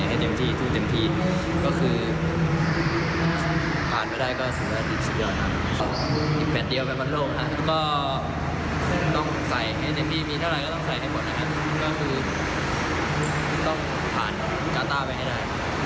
แล้วก็ทีเขาก็จะทำให้ดีสุดเพื่อไปบังโลกได้